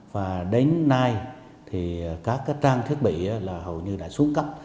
và đến nay thì các trang thiết bị là hầu như đã xuống cấp